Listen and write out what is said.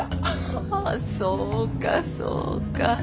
ああそうかそうか。